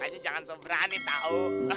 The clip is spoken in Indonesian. makanya jangan so berani tau